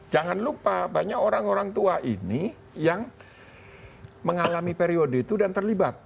jangan lupa banyak orang orang tua ini yang mengalami periode itu dan terlibat